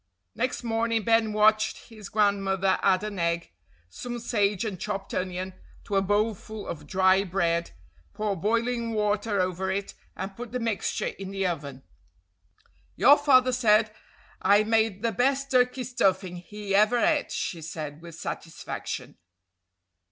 Next morning Ben watched his grandmother add an egg, some sage and chopped onion to a bowlful of dry bread, pour boiling water over it, and put the mixture in the oven. "Your father said I made the best turkey stuffing he ever ate," she said with satisfaction.